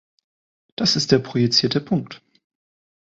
Das ist der projizierte Punkt.